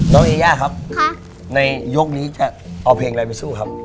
เอย่าครับในยกนี้จะเอาเพลงอะไรไปสู้ครับ